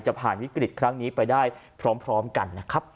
ผ่านวิกฤตครั้งนี้ไปได้พร้อมกันนะครับ